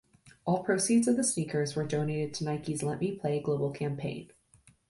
All proceeds of the sneakers were donated to Nike's Let Me Play global campaign.